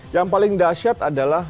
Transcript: yang paling dasyat adalah